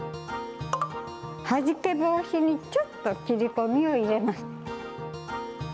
はじけ防止にちょっと切り込みを入れます。